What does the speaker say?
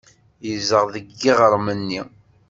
Tezdeɣ deg yiɣrem-nni.